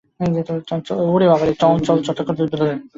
চঞ্চলচকিতচিত্তচকোরচৌরচঞ্চুচুম্বিতচারু- চন্দ্রিকরুচিরুচির চিরচন্দ্রমা।